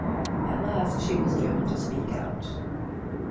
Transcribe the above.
At last she was driven to speak out.